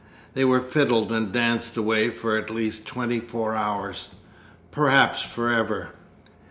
They were fiddled and danced away for at least twenty four hours perhaps for ever!